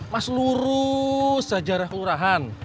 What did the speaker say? mas lurus aja arah kelurahan